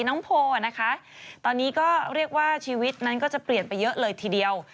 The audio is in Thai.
ตอนนี้ก็เรียกว่าชีวิตนั้นก็จะเปลี่ยนไปเยอะเลยทีเดียว